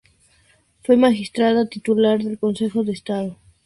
Fue magistrada titular del Consejo de Estado.